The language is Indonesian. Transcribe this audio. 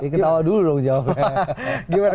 ketawa dulu dong jawabannya